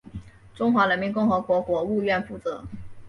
中华人民共和国国务院负责。